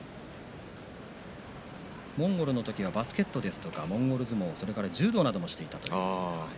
モンゴルの時はバスケットですとかモンゴル相撲、それに柔道などをしていたということです。